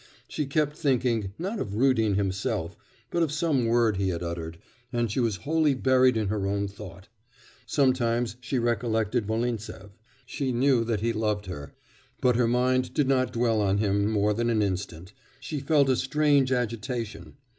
She kept thinking, not of Rudin himself, but of some word he had uttered, and she was wholly buried in her own thought. Sometimes she recollected Volintsev. She knew that he loved her. But her mind did not dwell on him more than an instant.... She felt a strange agitation.